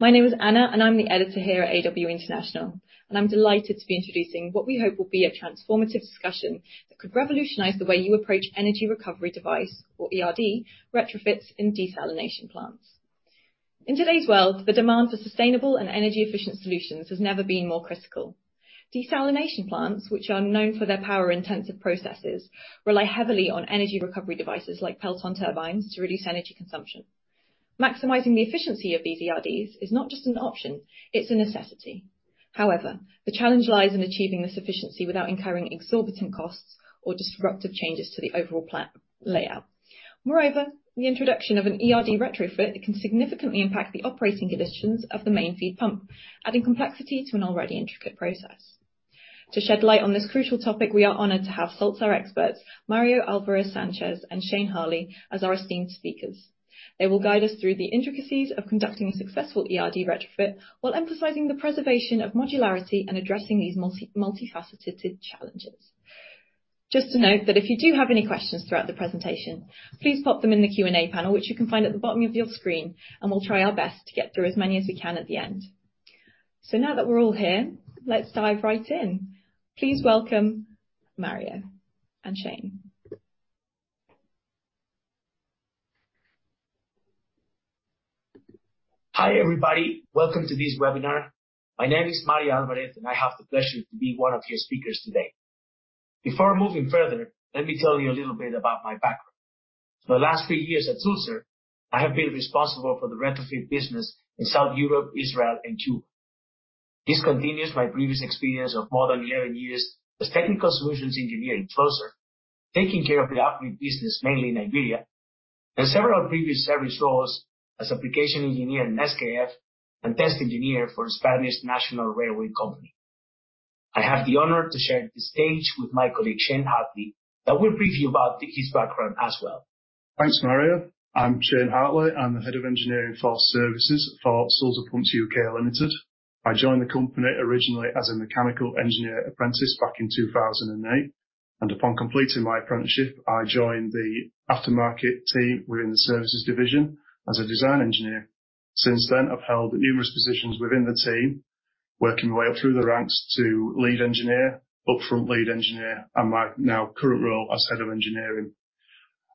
My name is Anna, and I'm the editor here at AW International, and I'm delighted to be introducing what we hope will be a transformative discussion that could revolutionize the way you approach energy recovery device or ERD retrofits in desalination plants. In today's world, the demands of sustainable and energy-efficient solutions has never been more critical. Desalination plants, which are known for their power-intensive processes, rely heavily on energy recovery devices like Pelton turbines to reduce energy consumption. Maximizing the efficiency of these ERDs is not just an option, it's a necessity. However, the challenge lies in achieving this efficiency without incurring exorbitant costs or disruptive changes to the overall plant layout. Moreover, the introduction of an ERD retrofit can significantly impact the operating conditions of the main feed pump, adding complexity to an already intricate process. To shed light on this crucial topic, we are honored to have Sulzer experts, Mario Alvarez and Shane Hartley, as our esteemed speakers. They will guide us through the intricacies of conducting a successful ERD retrofit while emphasizing the preservation of modularity and addressing these multifaceted challenges. Just to note that if you do have any questions throughout the presentation, please pop them in the Q&A panel, which you can find at the bottom of your screen, and we'll try our best to get through as many as we can at the end. Now that we're all here, let's dive right in. Please welcome Mario and Shane. Hi, everybody. Welcome to this webinar. My name is Mario Alvarez, and I have the pleasure to be one of your speakers today. Before moving further, let me tell you a little bit about my background. For the last few years at Sulzer, I have been responsible for the retrofit business in South Europe, Israel, and Cuba. This continues my previous experience of more than 11 years as technical solutions engineer in Sulzer, taking care of the upstream business, mainly in Nigeria, and several previous service roles as application engineer in SKF and test engineer for Spanish National Railway Company. I have the honor to share the stage with my colleague, Shane Hartley, that will brief you about his background as well. Thanks, Mario. I'm Shane Hartley. I'm the head of engineering for services for Sulzer Pumps UK Limited. I joined the company originally as a mechanical engineer apprentice back in 2008, and upon completing my apprenticeship, I joined the aftermarket team within the services division as a design engineer. Since then, I've held numerous positions within the team, working my way up through the ranks to lead engineer, upfront lead engineer, and my now current role as head of engineering.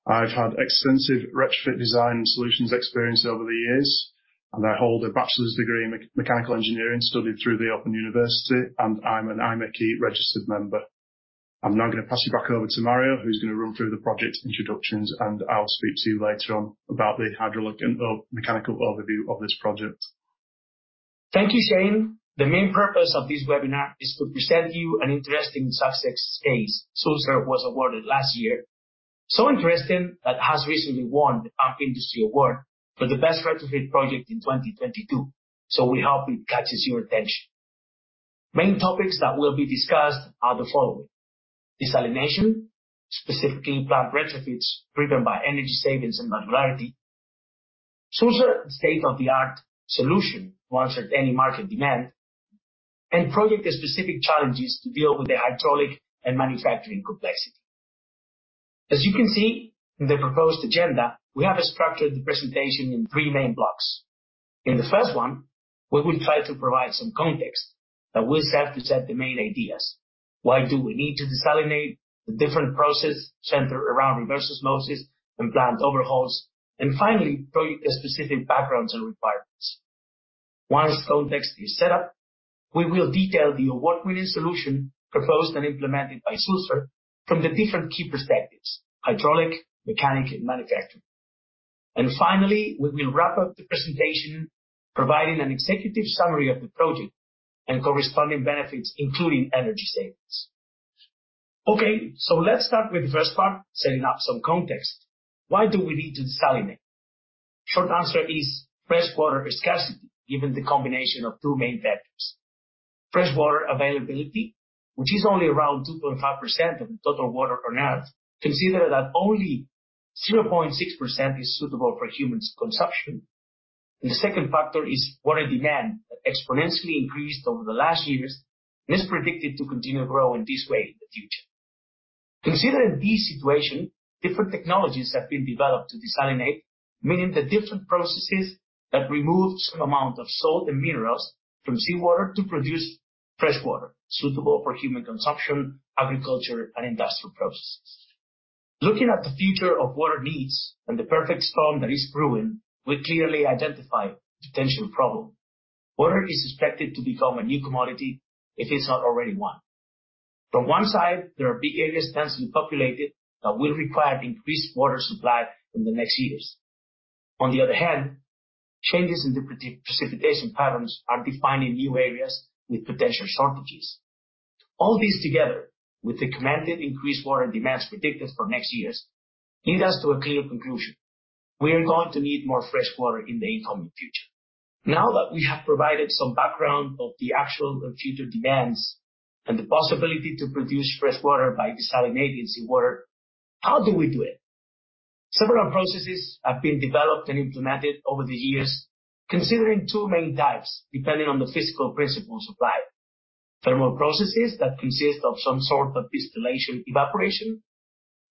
I've had extensive retrofit design and solutions experience over the years, and I hold a bachelor's degree in mechanical engineering, studied through the Open University, and I'm an IMechE registered member. I'm now going to pass you back over to Mario, who's going to run through the project introductions, and I'll speak to you later on about the hydraulic and the mechanical overview of this project. Thank you, Shane. The main purpose of this webinar is to present you an interesting success case Sulzer was awarded last year. So interesting, that has recently won the Pump Industry Award for the best retrofit project in 2022. So we hope it catches your attention. Main topics that will be discussed are the following: desalination, specifically plant retrofits driven by energy savings and modularity, Sulzer state-of-the-art solution to answer any market demand, and project-specific challenges to deal with the hydraulic and manufacturing complexity. As you can see in the proposed agenda, we have structured the presentation in three main blocks. In the first one, we will try to provide some context that will serve to set the main ideas. Why do we need to desalinate the different process centered around reverse osmosis and plant overhauls, and finally, project-specific backgrounds and requirements. Once context is set up, we will detail the award-winning solution proposed and implemented by Sulzer from the different key perspectives: hydraulic, mechanical, and manufacturing. Finally, we will wrap up the presentation, providing an executive summary of the project and corresponding benefits, including energy savings. Okay, so let's start with the first part, setting up some context. Why do we need to desalinate? Short answer is freshwater scarcity, given the combination of two main factors. Freshwater availability, which is only around 2.5% of the total water on Earth. Consider that only 0.6% is suitable for human consumption. The second factor is water demand, exponentially increased over the last years and is predicted to continue growing this way in the future. Considering this situation, different technologies have been developed to desalinate, meaning the different processes that remove some amount of salt and minerals from seawater to produce freshwater suitable for human consumption, agriculture, and industrial processes. Looking at the future of water needs and the perfect storm that is brewing, we clearly identify potential problem. Water is expected to become a new commodity, if it's not already one. From one side, there are big areas, densely populated, that will require increased water supply in the next years. On the other hand, changes in the precipitation patterns are defining new areas with potential shortages. All these, together with the compounded increased water demands predicted for next years, lead us to a clear conclusion: we are going to need more fresh water in the incoming future. Now that we have provided some background of the actual and future demands and the possibility to produce fresh water by desalinating seawater, how do we do it? Several processes have been developed and implemented over the years, considering two main types, depending on the physical principles applied. Thermal processes that consist of some sort of distillation, evaporation...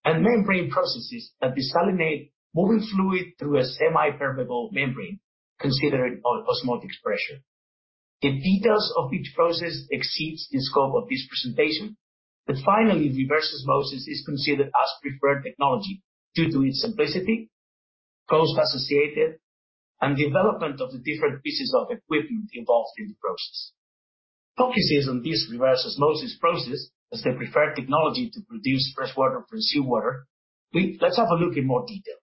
and membrane processes that desalinate moving fluid through a semipermeable membrane, considering our osmotic pressure. The details of each process exceeds the scope of this presentation, but finally, reverse osmosis is considered as preferred technology due to its simplicity, cost associated, and development of the different pieces of equipment involved in the process. Focuses on this reverse osmosis process as the preferred technology to produce fresh water from seawater. We-- Let's have a look in more detail.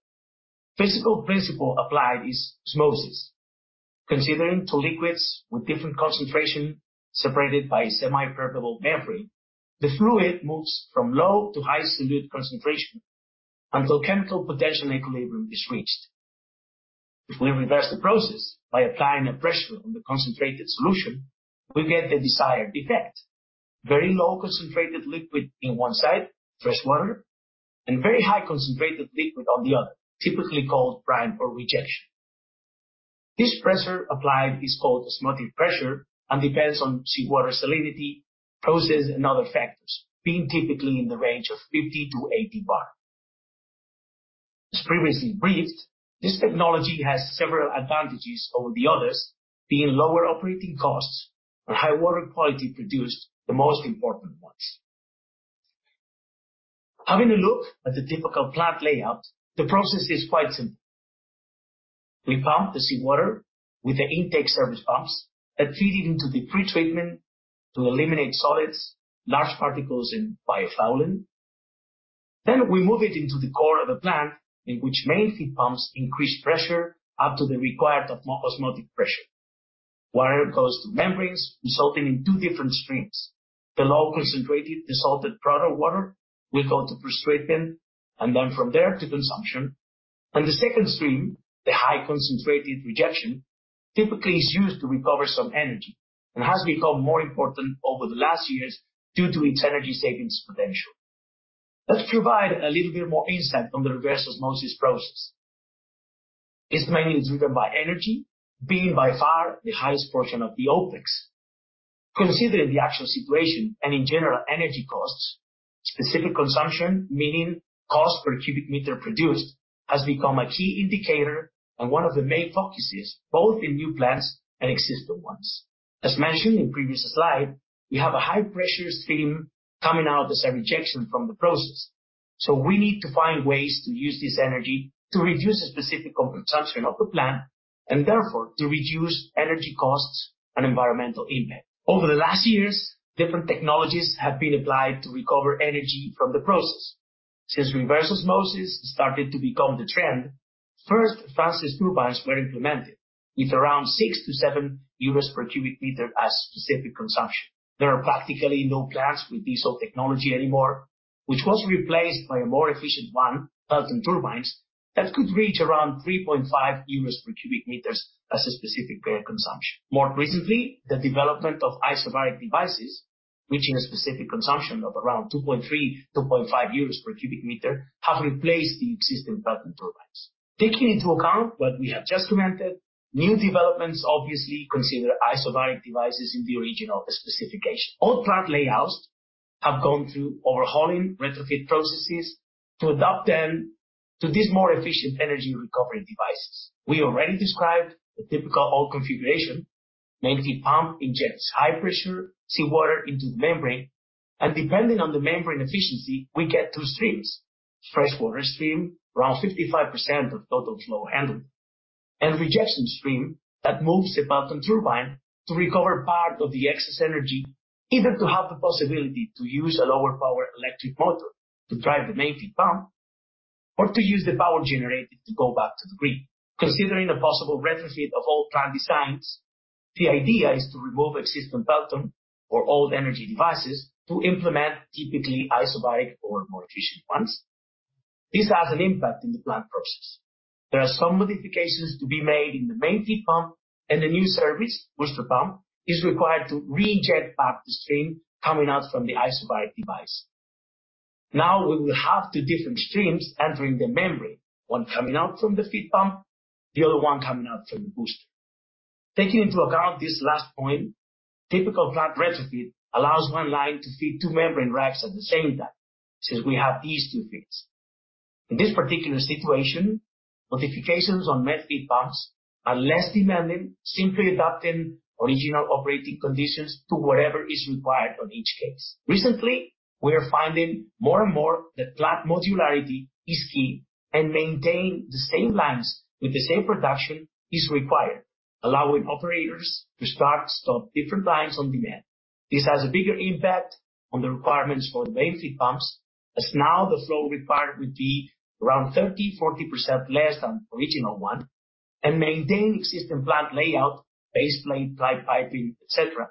Physical principle applied is osmosis. Considering two liquids with different concentration separated by a semipermeable membrane, the fluid moves from low to high solute concentration until chemical potential equilibrium is reached. If we reverse the process by applying a pressure on the concentrated solution, we get the desired effect. Very low concentrated liquid in one side, fresh water, and very high concentrated liquid on the other, typically called brine or rejection. This pressure applied is called osmotic pressure and depends on seawater salinity, process, and other factors, being typically in the range of 50-80 bar. As previously briefed, this technology has several advantages over the others, being lower operating costs and high water quality produced, the most important ones. Having a look at the typical plant layout, the process is quite simple. We pump the seawater with the intake service pumps that feed it into the pretreatment to eliminate solids, large particles, and biofouling. Then we move it into the core of the plant, in which main feed pumps increase pressure up to the required osmotic pressure. Water goes to membranes, resulting in two different streams. The low concentrated dissolved product water will go to post-treatment and then from there to consumption, and the second stream, the high concentrated rejection, typically is used to recover some energy and has become more important over the last years due to its energy savings potential. Let's provide a little bit more insight on the reverse osmosis process. It's mainly driven by energy, being by far the highest portion of the OpEx. Considering the actual situation and in general, energy costs, specific consumption, meaning cost per cubic meter produced, has become a key indicator and one of the main focuses, both in new plants and existing ones. As mentioned in previous slide, we have a high-pressure stream coming out as a rejection from the process. So we need to find ways to use this energy to reduce the specific overconsumption of the plant and therefore to reduce energy costs and environmental impact. Over the last years, different technologies have been applied to recover energy from the process. Since reverse osmosis started to become the trend, first Francis turbines were implemented with around 6-7 euros per cubic meter as specific consumption. There are practically no plants with this old technology anymore, which was replaced by a more efficient one, Pelton turbines, that could reach around 3.5 euros per cubic meters as a specific consumption. More recently, the development of isobaric devices, reaching a specific consumption of around 2.3-2.5 euros per cubic meter, have replaced the existing Pelton turbines. Taking into account what we have just commented, new developments obviously consider isobaric devices in the original specification. All plant layouts have gone through overhauling retrofit processes to adapt them to these more efficient energy recovery devices. We already described the typical old configuration. Main feed pump injects high pressure seawater into the membrane, and depending on the membrane efficiency, we get two streams: fresh water stream, around 55% of total flow handled, and rejection stream that moves above the turbine to recover part of the excess energy, either to have the possibility to use a lower power electric motor to drive the main feed pump or to use the power generated to go back to the grid. Considering the possible retrofit of old plant designs, the idea is to remove existing Pelton or old energy devices to implement typically isobaric or more efficient ones. This has an impact in the plant process. There are some modifications to be made in the main feed pump, and the new service, booster pump, is required to re-inject back the stream coming out from the isobaric device. Now, we will have two different streams entering the membrane, one coming out from the feed pump, the other one coming out from the booster. Taking into account this last point, typical plant retrofit allows one line to feed two membrane racks at the same time, since we have these two feeds. In this particular situation, modifications on main feed pumps are less demanding, simply adapting original operating conditions to whatever is required on each case. Recently, we are finding more and more that plant modularity is key and maintain the same lines with the same production is required, allowing operators to start, stop different lines on demand. This has a bigger impact on the requirements for the main feed pumps, as now the flow required would be around 30%-40% less than original one, and maintain existing plant layout, base plate, pipe, piping, et cetera,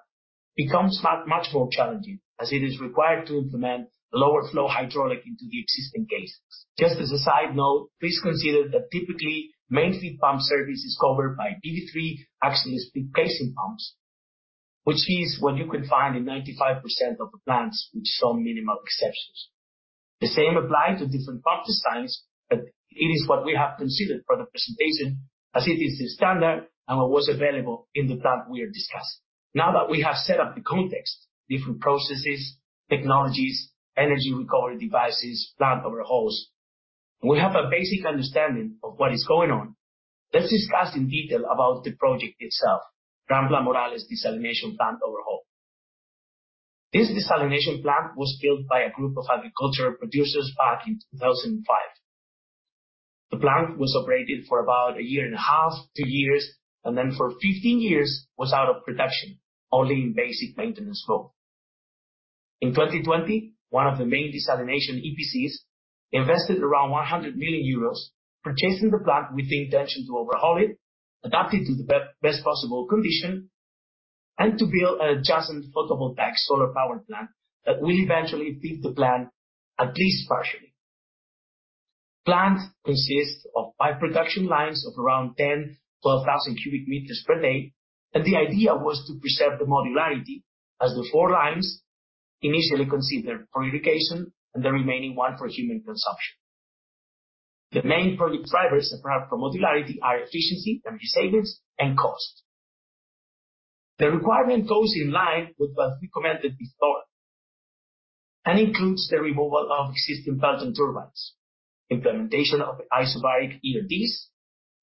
becomes far much more challenging as it is required to implement lower flow hydraulic into the existing casings. Just as a side note, please consider that typically, main feed pump service is covered by BB3 axially split casing pumps, which is what you can find in 95% of the plants, with some minimal exceptions. The same applies to different pump designs, but it is what we have considered for the presentation... as it is the standard and what was available in the plant we are discussing. Now that we have set up the context, different processes, technologies, energy recovery devices, plant overhauls, we have a basic understanding of what is going on. Let's discuss in detail about the project itself, Rambla Morales Desalination Plant overhaul. This desalination plant was built by a group of agriculture producers back in 2005. The plant was operated for about a year and a half, two years, and then for 15 years was out of production, only in basic maintenance mode. In 2020, one of the main desalination EPCs invested around 100 million euros, purchasing the plant with the intention to overhaul it, adapt it to the best possible condition, and to build an adjacent photovoltaic solar power plant that will eventually feed the plant, at least partially. plant consists of five production lines of around 10,000 cubic meters-12,000 cubic meters per day, and the idea was to preserve the modularity as the four lines initially considered for irrigation and the remaining one for human consumption. The main project drivers, apart from modularity, are efficiency, energy savings, and cost. The requirement goes in line with what's recommended historically, and includes the removal of existing Pelton turbines, implementation of the isobaric ERDs,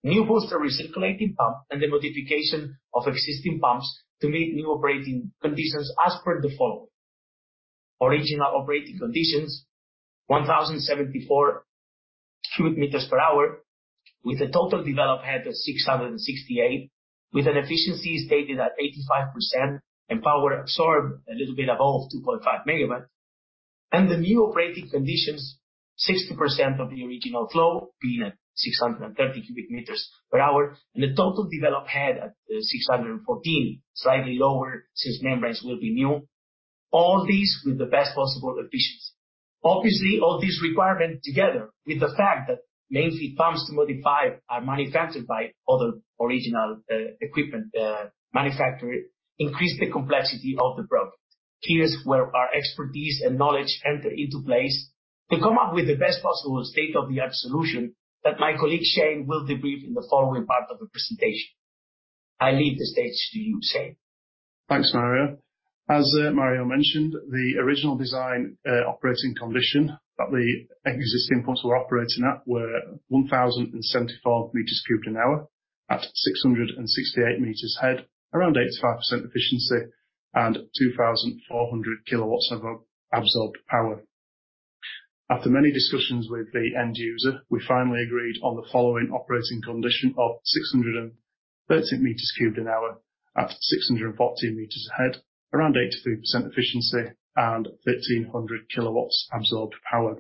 new booster recirculating pump, and the modification of existing pumps to meet new operating conditions as per the following: Original operating conditions, 1,074 cubic meters per hour, with a total developed head of 668, with an efficiency stated at 85%, and power absorbed a little bit above 2.5 MW. And the new operating conditions, 60% of the original flow, being at 630 cubic meters per hour, and the total developed head at, 614, slightly lower since membranes will be new. All these with the best possible efficiency. Obviously, all these requirements, together with the fact that main feed pumps to modify are manufactured by other original, equipment, manufacturer, increased the complexity of the project. Here's where our expertise and knowledge enter into place to come up with the best possible state-of-the-art solution that my colleague, Shane, will debrief in the following part of the presentation. I leave the stage to you, Shane. Thanks, Mario. As Mario mentioned, the original design operating condition that the existing pumps were operating at were 1,074 meters cubed an hour at 668 meters head, around 85% efficiency and 2,400 kilowatts of absorbed power. After many discussions with the end user, we finally agreed on the following operating condition of 630 meters cubed an hour at 614 meters head, around 83% efficiency and 1,300 kilowatts absorbed power.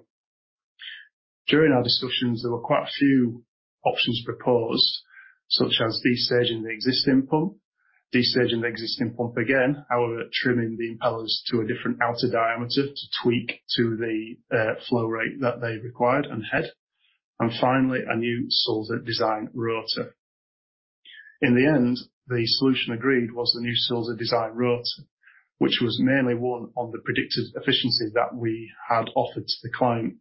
During our discussions, there were quite a few options proposed, such as de-staging the existing pump, de-staging the existing pump again, however, trimming the impellers to a different outer diameter to tweak to the flow rate that they required and head, and finally, a new Sulzer design rotor. In the end, the solution agreed was the new Sulzer design rotor, which was mainly won on the predicted efficiency that we had offered to the client.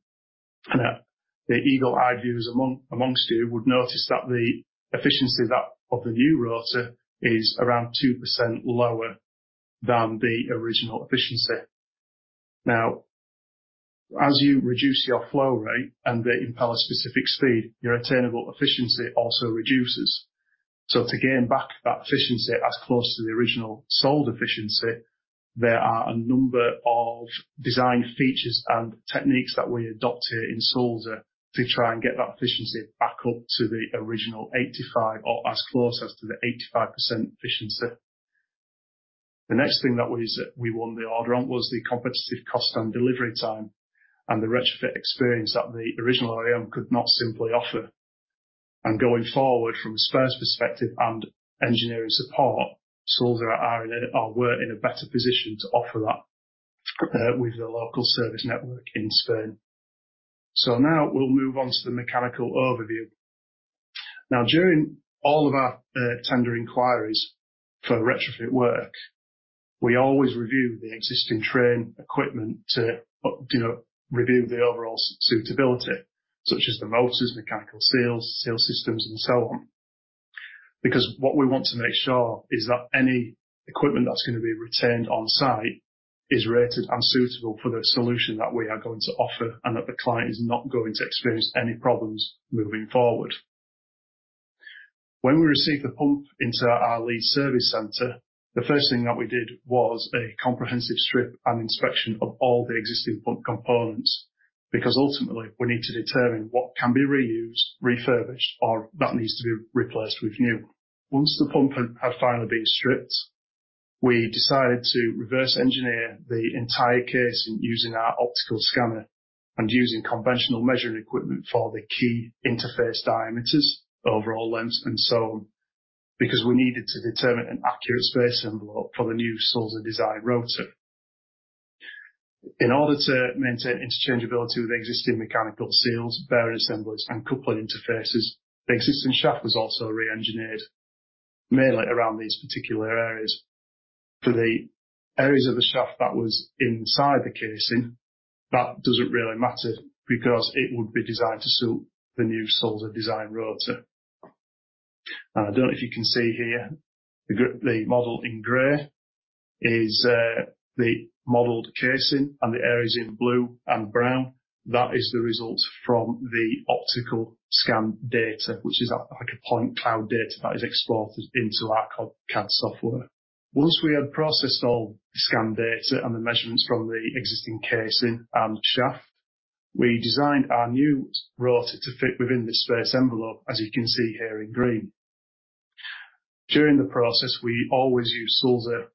And that the eagle-eyed viewers among, amongst you would notice that the efficiency that of the new rotor is around 2% lower than the original efficiency. Now, as you reduce your flow rate and the impeller specific speed, your attainable efficiency also reduces. So to gain back that efficiency as close to the original sold efficiency, there are a number of design features and techniques that we adopt here in Sulzer to try and get that efficiency back up to the original 85% or as close as to the 85% efficiency. The next thing that was, we won the order on was the competitive cost and delivery time, and the retrofit experience that the original OEM could not simply offer. Going forward from a spares perspective and engineering support, Sulzer were in a better position to offer that, with the local service network in Spain. So now we'll move on to the mechanical overview. Now, during all of our tender inquiries for the retrofit work, we always review the existing train equipment to, you know, review the overall suitability, such as the motors, mechanical seals, seal systems, and so on. Because what we want to make sure is that any equipment that's gonna be retained on-site is rated and suitable for the solution that we are going to offer, and that the client is not going to experience any problems moving forward. When we received the pump into our Leeds service center, the first thing that we did was a comprehensive strip and inspection of all the existing pump components, because ultimately, we need to determine what can be reused, refurbished, or that needs to be replaced with new. Once the pump had finally been stripped, we decided to reverse engineer the entire casing using our optical scanner and using conventional measuring equipment for the key interface diameters, overall lengths, and so on, because we needed to determine an accurate space envelope for the new Sulzer design rotor. In order to maintain interchangeability with the existing mechanical seals, bearing assemblies, and coupling interfaces, the existing shaft was also re-engineered, mainly around these particular areas... for the areas of the shaft that was inside the casing, that doesn't really matter because it would be designed to suit the new Sulzer design rotor. I don't know if you can see here, the model in gray is the modeled casing, and the areas in blue and brown, that is the result from the optical scan data, which is like a point cloud data that is exported into our CAD software. Once we had processed all the scan data and the measurements from the existing casing and the shaft, we designed our new rotor to fit within this space envelope, as you can see here in green. During the process, we always use Sulzer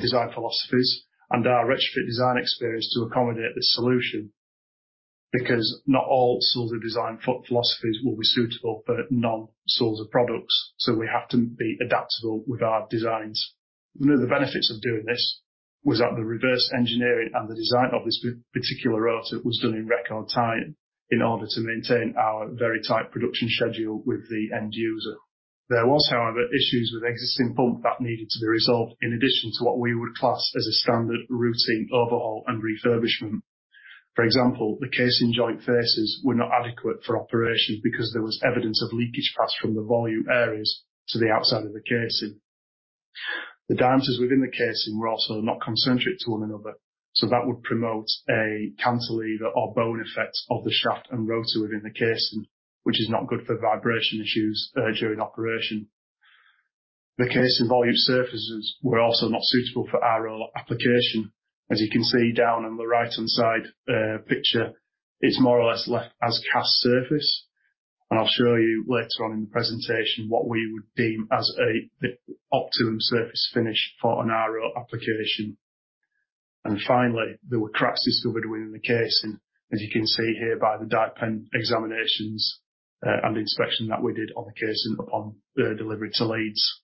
design philosophies and our retrofit design experience to accommodate this solution, because not all Sulzer design philosophies will be suitable for non-Sulzer products, so we have to be adaptable with our designs. One of the benefits of doing this was that the reverse engineering and the design of this particular rotor was done in record time in order to maintain our very tight production schedule with the end user. There was, however, issues with existing pump that needed to be resolved, in addition to what we would class as a standard routine overhaul and refurbishment. For example, the casing joint faces were not adequate for operation because there was evidence of leakage paths from the volute areas to the outside of the casing. The diameters within the casing were also not concentric to one another, so that would promote a cantilever or bone effect of the shaft and rotor within the casing, which is not good for vibration issues during operation. The casing volute surfaces were also not suitable for our application. As you can see down on the right-hand side, picture, it's more or less left as cast surface. I'll show you later on in the presentation what we would deem as a the optimum surface finish for an RO application. Finally, there were cracks discovered within the casing, as you can see here by the dye pen examinations, and inspection that we did on the casing upon the delivery to Leeds.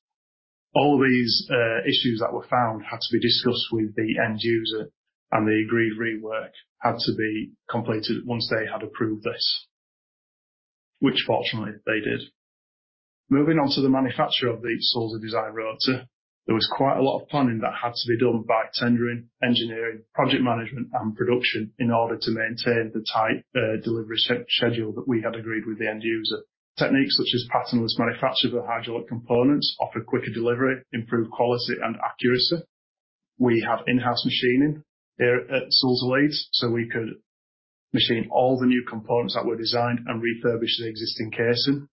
All these, issues that were found had to be discussed with the end user, and the agreed rework had to be completed once they had approved this, which fortunately they did. Moving on to the manufacture of the Sulzer design rotor, there was quite a lot of planning that had to be done by tendering, engineering, project management, and production in order to maintain the tight delivery schedule that we had agreed with the end user. Techniques such as patternless manufacture of the hydraulic components offer quicker delivery, improved quality, and accuracy. We have in-house machining here at Sulzer Leeds, so we could machine all the new components that were designed and refurbish the existing casing.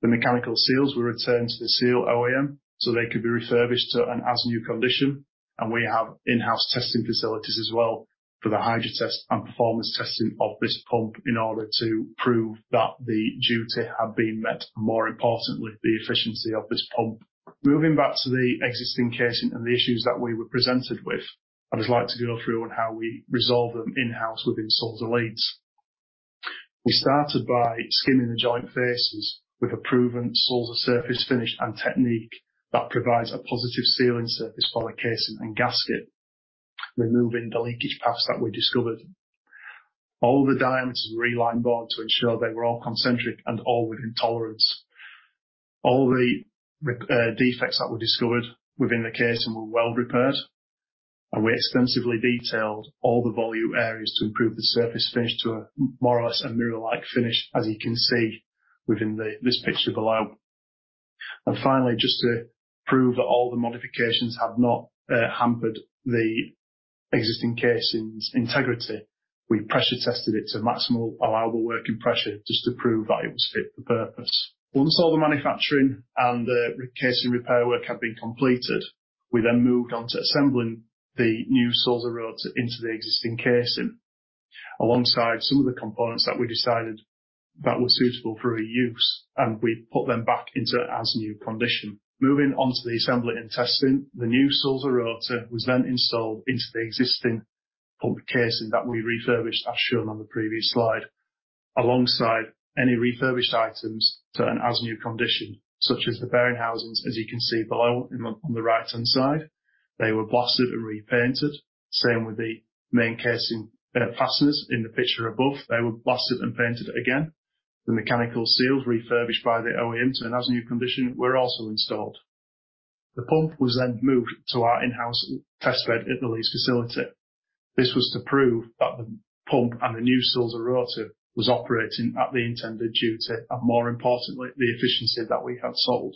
The mechanical seals were returned to the seal OEM, so they could be refurbished to an as-new condition, and we have in-house testing facilities as well for the hydrotest and performance testing of this pump in order to prove that the duty had been met, and more importantly, the efficiency of this pump. Moving back to the existing casing and the issues that we were presented with, I would like to go through on how we resolve them in-house within Sulzer Leeds. We started by skimming the joint faces with a proven Sulzer surface finish and technique that provides a positive sealing surface for the casing and gasket, removing the leakage paths that we discovered. All the diameters were realigned bored to ensure they were all concentric and all within tolerance. All the defects that were discovered within the casing were well repaired, and we extensively detailed all the volute areas to improve the surface finish to a more or less a mirror-like finish, as you can see within this picture below. Finally, just to prove that all the modifications had not hampered the existing casing's integrity, we pressure tested it to maximal allowable working pressure just to prove that it was fit for purpose. Once all the manufacturing and the casing repair work had been completed, we then moved on to assembling the new Sulzer rotor into the existing casing, alongside some of the components that we decided that were suitable for reuse, and we put them back into as-new condition. Moving on to the assembly and testing, the new Sulzer rotor was then installed into the existing pump casing that we refurbished, as shown on the previous slide, alongside any refurbished items to an as-new condition, such as the bearing housings, as you can see below on the right-hand side. They were blasted and repainted. Same with the main casing, fasteners in the picture above, they were blasted and painted again. The mechanical seals refurbished by the OEM to an as-new condition were also installed. The pump was then moved to our in-house test bed at the Leeds facility. This was to prove that the pump and the new Sulzer rotor was operating at the intended duty, and more importantly, the efficiency that we had sold.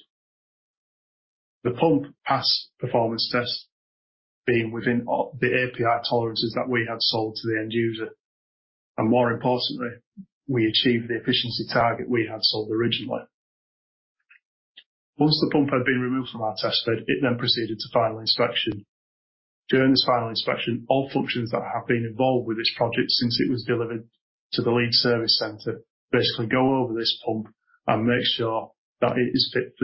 The pump passed performance test being within, the API tolerances that we had sold to the end user, and more importantly, we achieved the efficiency target we had sold originally. Once the pump had been removed from our test bed, it then proceeded to final inspection. During this final inspection, all functions that have been involved with this project since it was delivered to the lead service center basically go over this pump and make sure that it is fit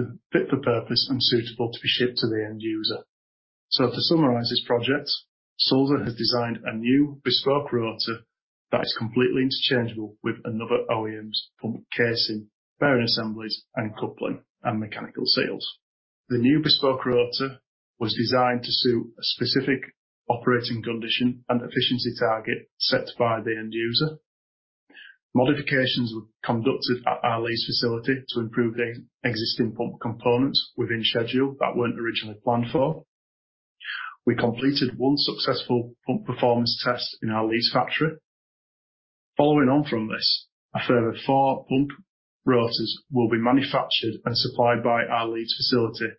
for purpose and suitable to be shipped to the end user. So to summarize this project, Sulzer has designed a new bespoke rotor that is completely interchangeable with another OEM's pump casing, bearing assemblies, and coupling, and mechanical seals. The new bespoke rotor was designed to suit a specific operating condition and efficiency target set by the end user. Modifications were conducted at our Leeds facility to improve the existing pump components within schedule that weren't originally planned for. We completed one successful pump performance test in our Leeds factory. Following on from this, a further four pump rotors will be manufactured and supplied by our Leeds facility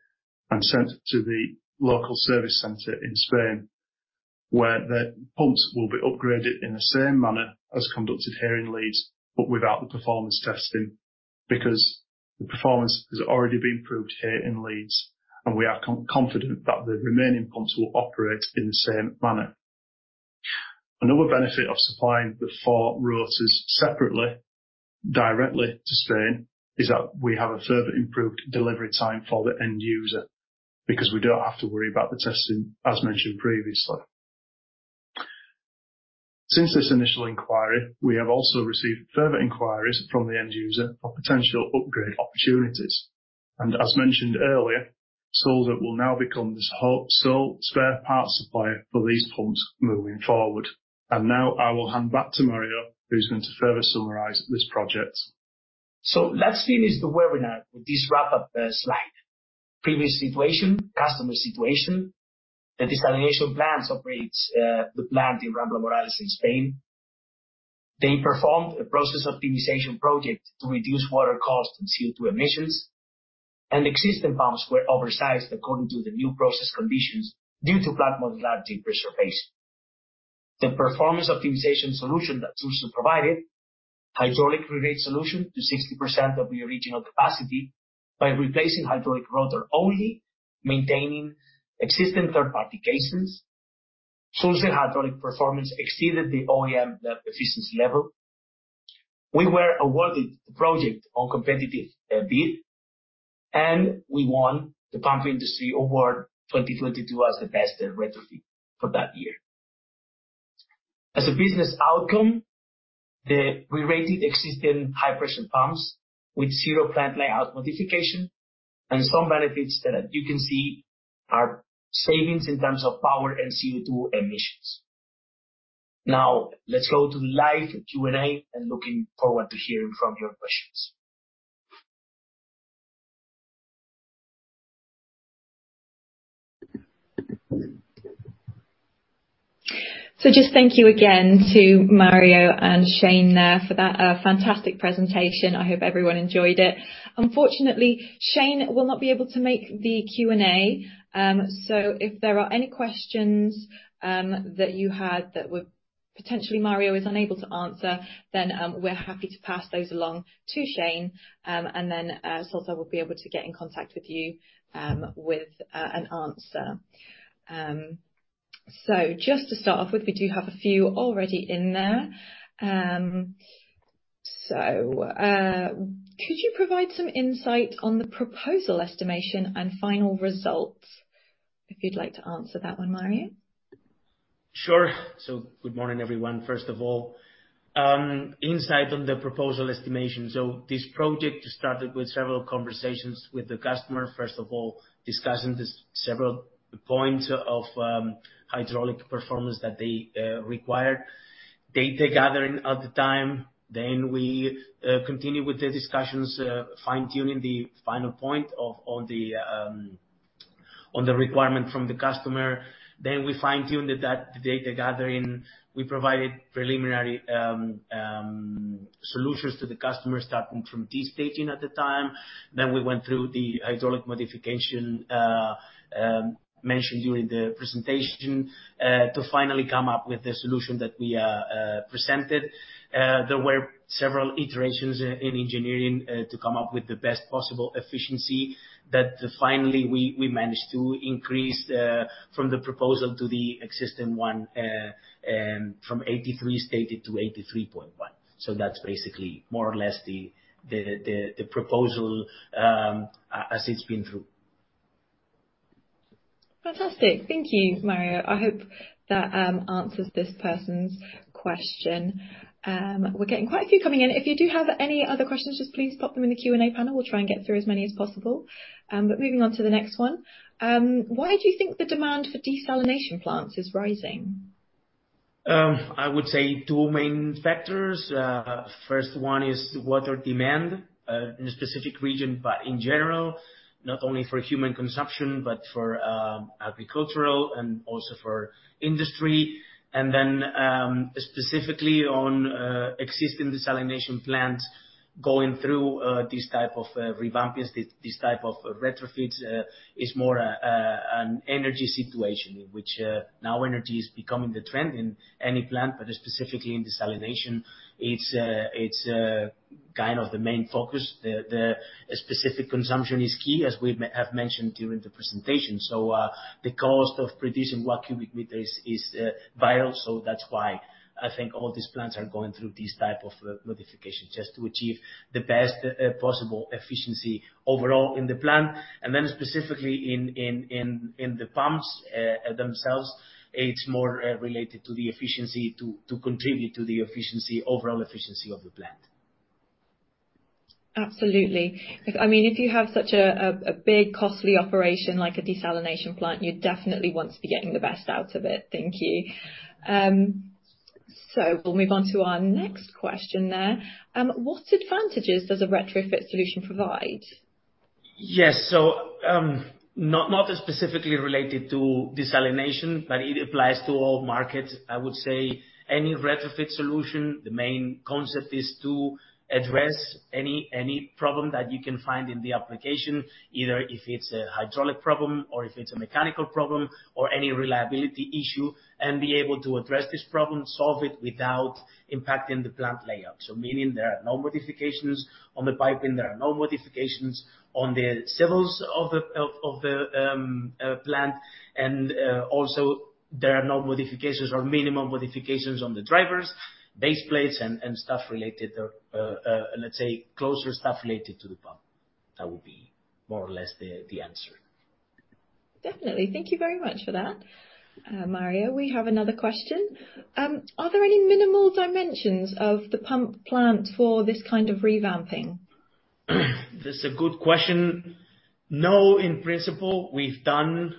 and sent to the local service center in Spain, where the pumps will be upgraded in the same manner as conducted here in Leeds, but without the performance testing, because the performance has already been proved here in Leeds, and we are confident that the remaining pumps will operate in the same manner. Another benefit of supplying the four rotors separately, directly to Spain, is that we have a further improved delivery time for the end user because we don't have to worry about the testing, as mentioned previously. Since this initial inquiry, we have also received further inquiries from the end user for potential upgrade opportunities, and as mentioned earlier, Sulzer will now become the sole spare parts supplier for these pumps moving forward. Now I will hand back to Mario, who's going to further summarize this project. So let's finish the webinar with this wrap-up slide. Previous situation, customer situation. The desalination plants operates the plant in Rambla Morales in Spain. They performed a process optimization project to reduce water cost and CO2 emissions, and existing pumps were oversized according to the new process conditions due to plant modularity pressure phase. The performance optimization solution that Sulzer provided, hydraulic relate solution to 60% of the original capacity by replacing hydraulic rotor, only maintaining existing third-party cases. Sulzer hydraulic performance exceeded the OEM, the efficiency level. We were awarded the project on competitive bid, and we won the Pump Industry Award 2022 as the best retrofit for that year. As a business outcome, We rated existing high-pressure pumps with zero plant layout modification, and some benefits that you can see are savings in terms of power and CO2 emissions. Now, let's go to the live Q&A, and looking forward to hearing from your questions. So just thank you again to Mario and Shane there for that, fantastic presentation. I hope everyone enjoyed it. Unfortunately, Shane will not be able to make the Q&A, so if there are any questions, that you had that would potentially Mario is unable to answer, then, we're happy to pass those along to Shane, and then, Sulzer will be able to get in contact with you, with, an answer. So just to start off with, we do have a few already in there. So, could you provide some insight on the proposal estimation and final results? If you'd like to answer that one, Mario. Sure. So good morning, everyone. First of all, insight on the proposal estimation. So this project started with several conversations with the customer. First of all, discussing this several points of hydraulic performance that they required, data gathering at the time. Then we continued with the discussions, fine-tuning the final point of, on the, on the requirement from the customer. Then we fine-tuned the data gathering. We provided preliminary solutions to the customer, starting from this staging at the time. Then we went through the hydraulic modification mentioned during the presentation to finally come up with the solution that we are presented. There were several iterations in engineering to come up with the best possible efficiency that finally we managed to increase from the proposal to the existing one from 83 stated to 83.1. So that's basically more or less the proposal as it's been through. Fantastic. Thank you, Mario. I hope that answers this person's question. We're getting quite a few coming in. If you do have any other questions, just please pop them in the Q&A panel. We'll try and get through as many as possible. But moving on to the next one, why do you think the demand for desalination plants is rising? I would say two main factors. First one is water demand, in a specific region, but in general, not only for human consumption, but for, agricultural and also for industry, and then, specifically on, existing desalination plants going through, these type of, revamps, this type of retrofits, is more, an energy situation in which, now energy is becoming the trend in any plant, but specifically in desalination. It's, it's, kind of the main focus. The, the specific consumption is key, as we have mentioned during the presentation. So, the cost of producing one cubic meter is, is, vital, so that's why I think all these plants are going through this type of, modification, just to achieve the best, possible efficiency overall in the plant. And then specifically in the pumps themselves, it's more related to the efficiency to contribute to the efficiency, overall efficiency of the plant.... Absolutely. I mean, if you have such a big, costly operation like a desalination plant, you definitely want to be getting the best out of it. Thank you. So we'll move on to our next question there. What advantages does a retrofit solution provide? Yes. So, not specifically related to desalination, but it applies to all markets. I would say any retrofit solution, the main concept is to address any problem that you can find in the application, either if it's a hydraulic problem or if it's a mechanical problem or any reliability issue, and be able to address this problem, solve it without impacting the plant layout. So meaning there are no modifications on the piping, there are no modifications on the civils of the plant, and also there are no modifications or minimum modifications on the drivers, base plates, and stuff related or, let's say, closer stuff related to the pump. That would be more or less the answer. Definitely. Thank you very much for that, Mario. We have another question. Are there any minimal dimensions of the pump plant for this kind of revamping? This is a good question. No, in principle, we've done...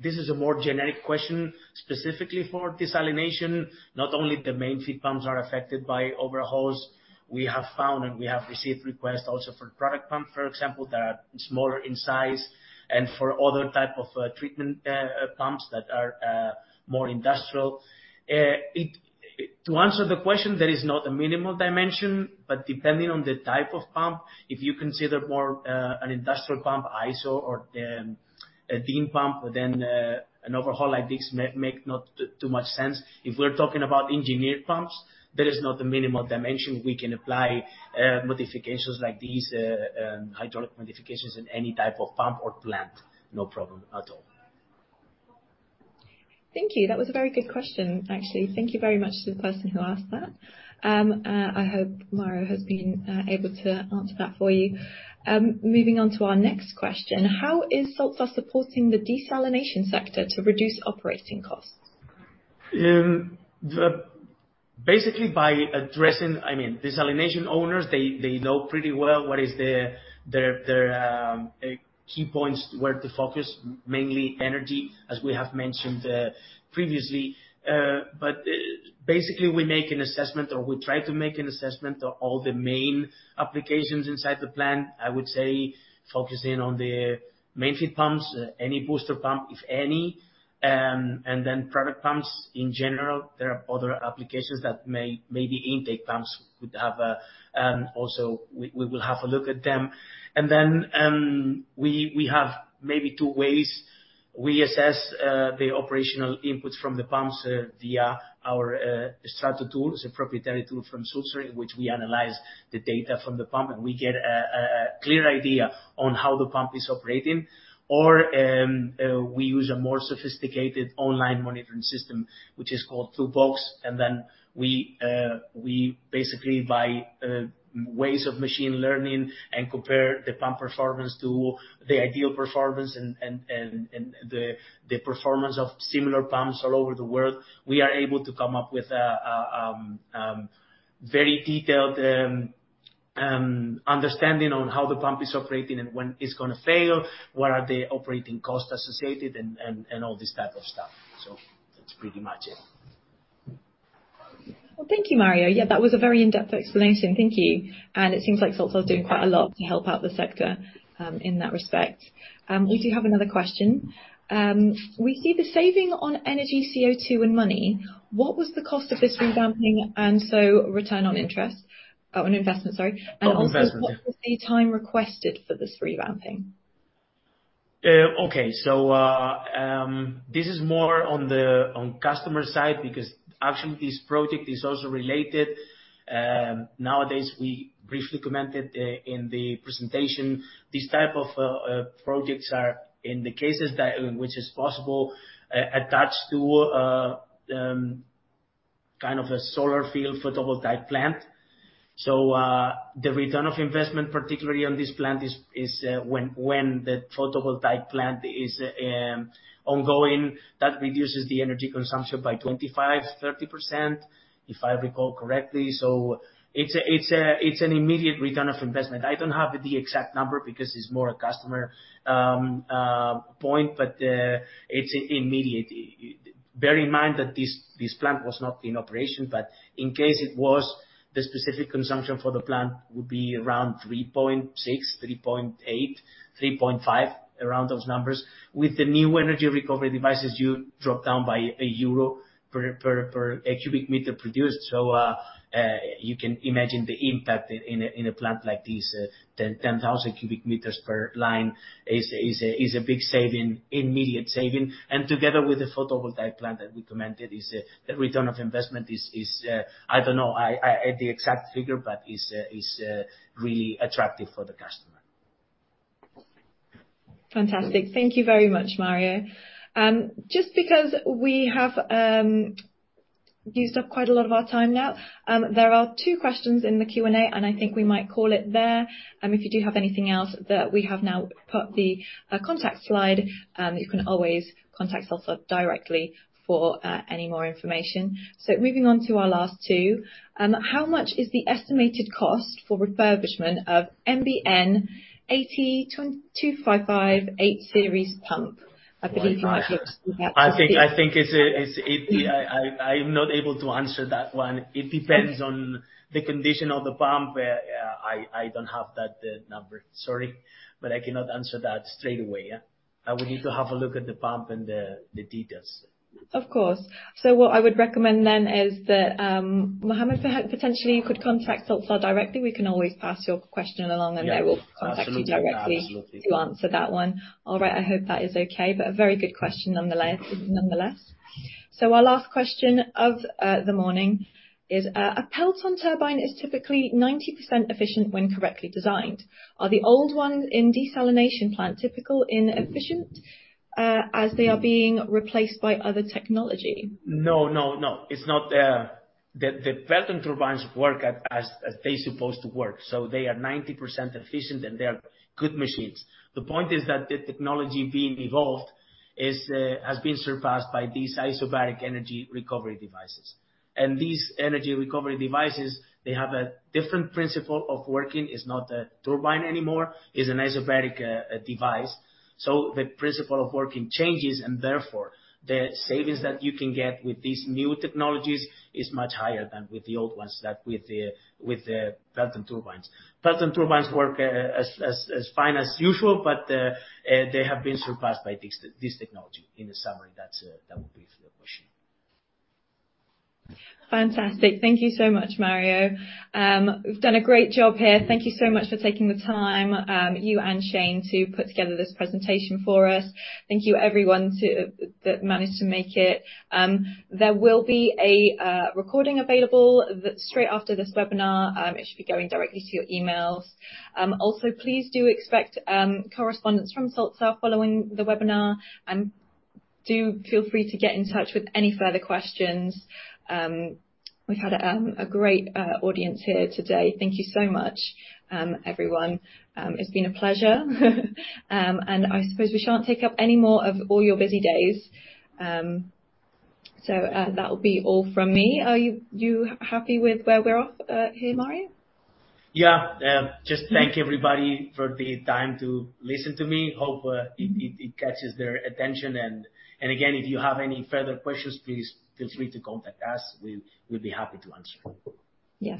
This is a more generic question, specifically for desalination. Not only the main feed pumps are affected by overhauls, we have found and we have received requests also for product pump, for example, that are smaller in size and for other type of treatment pumps that are more industrial. To answer the question, there is not a minimal dimension, but depending on the type of pump, if you consider more an industrial pump, ISO or a DIN pump, then an overhaul like this may make not too much sense. If we're talking about engineered pumps, there is not a minimal dimension. We can apply modifications like these, hydraulic modifications in any type of pump or plant, no problem at all. Thank you. That was a very good question, actually. Thank you very much to the person who asked that. I hope Mario has been able to answer that for you. Moving on to our next question: How is Sulzer supporting the desalination sector to reduce operating costs? Basically, by addressing, I mean, desalination owners, they, they know pretty well what is the, their, their, key points, where to focus, mainly energy, as we have mentioned, previously. But, basically, we make an assessment, or we try to make an assessment of all the main applications inside the plant. I would say focusing on the main feed pumps, any booster pump, if any, and then product pumps in general. There are other applications that maybe intake pumps could have a, also we, we will have a look at them. And then, we, we have maybe two ways. We assess, the operational inputs from the pumps, via our, Strato tool. It's a proprietary tool from Sulzer, in which we analyze the data from the pump, and we get a clear idea on how the pump is operating. Or, we use a more sophisticated online monitoring system, which is called Blue Box, and then we basically by ways of machine learning and compare the pump performance to the ideal performance and the performance of similar pumps all over the world, we are able to come up with a very detailed understanding on how the pump is operating and when it's gonna fail, what are the operating costs associated, and all this type of stuff. So that's pretty much it. Well, thank you, Mario. Yeah, that was a very in-depth explanation. Thank you. And it seems like Sulzer is doing quite a lot to help out the sector in that respect. We do have another question. We see the saving on energy, CO2, and money. What was the cost of this revamping and so return on interest, on investment, sorry? On investment. Also, what was the time requested for this revamping? Okay. So, this is more on the customer side, because actually, this project is also related. Nowadays, we briefly commented in the presentation, these type of projects are in the cases that, which is possible, attached to kind of a solar field, photovoltaic plant. So, the return of investment, particularly on this plant, is when the photovoltaic plant is ongoing, that reduces the energy consumption by 25%-30%, if I recall correctly. So it's an immediate return of investment. I don't have the exact number because it's more a customer point, but it's immediate. Bear in mind that this plant was not in operation, but in case it was, the specific consumption for the plant would be around 3.6, 3.8, 3.5, around those numbers. With the new energy recovery devices, you drop down by EUR 1 per cubic meter produced. So you can imagine the impact in a plant like this. 10,000 cubic meters per line is a big saving, immediate saving. And together with the photovoltaic plant that we commented, the return of investment is, I don't know, the exact figure, but is really attractive for the customer. Fantastic. Thank you very much, Mario. Just because we have used up quite a lot of our time now. There are two questions in the Q&A, and I think we might call it there. If you do have anything else, we have now put the contact slide, you can always contact Sulzer directly for any more information. So moving on to our last two. How much is the estimated cost for refurbishment of MBN 82-2558 series pump? I believe you might be able to- I think it's... I'm not able to answer that one. Okay. It depends on the condition of the pump. I don't have that number. Sorry, but I cannot answer that straight away, yeah. Okay. I would need to have a look at the pump and the details. Of course. So what I would recommend then is that, Mohammed, perhaps potentially you could contact Sulzer directly. We can always pass your question along- Yeah and they will contact you directly. Absolutely. To answer that one. All right. I hope that is okay, but a very good question nonetheless. So our last question of the morning is a Pelton turbine is typically 90% efficient when correctly designed. Are the old ones in desalination plants typically inefficient as they are being replaced by other technology? No, no, no, it's not. The Pelton turbines work as they supposed to work, so they are 90% efficient, and they are good machines. The point is that the technology being evolved is has been surpassed by these isobaric energy recovery devices. And these energy recovery devices, they have a different principle of working. It's not a turbine anymore, is an isobaric device. So the principle of working changes, and therefore, the savings that you can get with these new technologies is much higher than with the old ones, than with the Pelton turbines. Pelton turbines work as fine as usual, but they have been surpassed by this technology. In the summary, that's that would be for the question. Fantastic. Thank you so much, Mario. You've done a great job here. Thank you so much for taking the time, you and Shane, to put together this presentation for us. Thank you, everyone, to... that managed to make it. There will be a recording available that straight after this webinar. It should be going directly to your emails. Also, please do expect correspondence from Sulzer following the webinar, and do feel free to get in touch with any further questions. We've had a great audience here today. Thank you so much, everyone. It's been a pleasure. And I suppose we shan't take up any more of all your busy days. So, that'll be all from me. Are you, you happy with where we're off here, Mario? Yeah. Just thank everybody for the time to listen to me. Hope it catches their attention and again, if you have any further questions, please feel free to contact us. We'd be happy to answer. Yeah.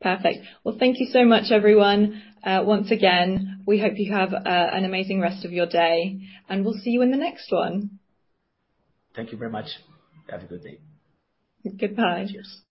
Perfect. Well, thank you so much, everyone. Once again, we hope you have an amazing rest of your day, and we'll see you in the next one. Thank you very much. Have a good day. Goodbye. Cheers!